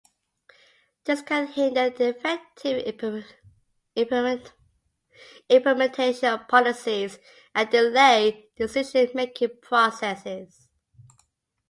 This can hinder the effective implementation of policies and delay decision-making processes.